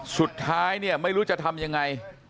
สุดท้ายไม่รู้จะทำยังไง